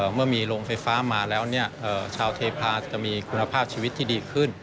เมื่อมีโรงไฟฟ้ามาแล้วชาวเทพาจะมีคุณภาพชีวิตที่ดีขึ้น